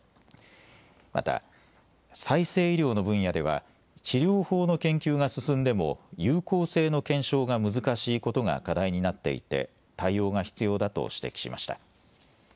また再生医療の分野では治療法の研究が進んでも有効性の検証が難しいことが課題になっていて対応が必要だと指摘しました。